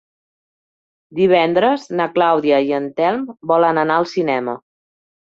Divendres na Clàudia i en Telm volen anar al cinema.